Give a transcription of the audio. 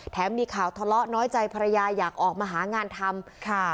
แถมมีข่าวทะเลาะน้อยใจพระยาอยากมาหางานทำ